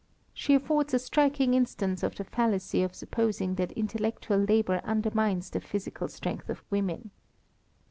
She affords a striking instance of the fallacy of supposing that intellectual labour undermines the physical strength of women.